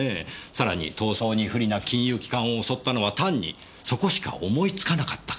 さらに逃走に不利な金融機関を襲ったのは単にそこしか思いつかなかったから。